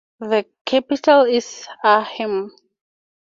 The capital is Arnhem.